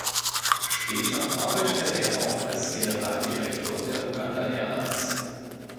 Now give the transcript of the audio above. Später arbeitete er auch als Generaldirektor der Uganda Airlines.